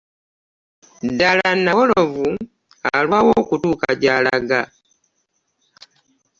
Ddala nnawolovu alwawo okutuuka gy'alaga